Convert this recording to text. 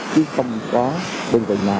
chứ không có đơn vị nào